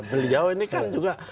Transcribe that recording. beliau ini kan juga